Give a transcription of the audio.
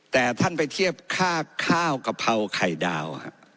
แต่ท่านไปเทียบค่าข้าวกะเพราไข่ดาว